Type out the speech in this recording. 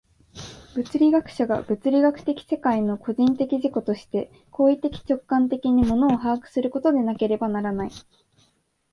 物理学者が物理学的世界の個人的自己として行為的直観的に物を把握することでなければならない。